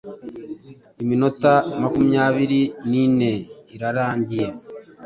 Iminota makumyabiri nine irarangiye